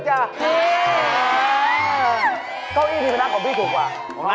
เก้าอี้ที่เป็นของพี่ถูกหรือว่ะ